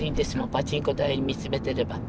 パチンコ台見つめてれば。